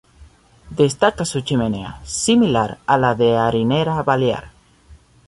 Destaca su chimenea, similar a la de Harinera Balear.